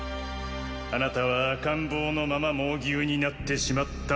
あなたは赤ん坊のまま猛牛になってしまった